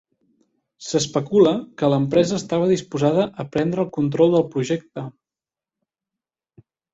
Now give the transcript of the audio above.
S'especula que l'empresa estava disposada a prendre el control del projecte.